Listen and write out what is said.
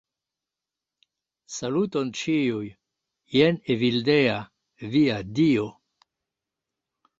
Saluton ĉiuj, jen Evildea, via dio.